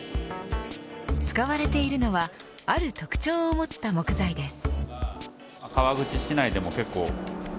使われているのはある特徴を持った木材です。